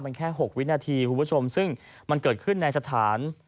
มันแค่๖วินาทีคุณผู้ชมซึ่งมันเกิดขึ้นในสถาน